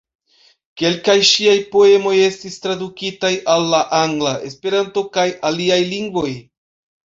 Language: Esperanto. Kelkaj ŝiaj poemoj estis tradukitaj al la angla, Esperanto kaj aliaj lingvoj.